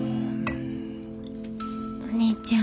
お兄ちゃん。